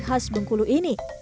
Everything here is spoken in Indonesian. khas bungkulu ini